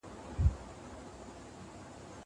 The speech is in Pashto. د کډوالو په وړاندي انساني پاملرنه پکار ده.